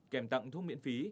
kèm tặng thuốc miễn phí